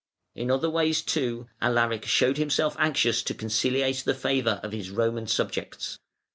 In other ways, too, Alaric showed himself anxious to conciliate the favour of his Roman subjects.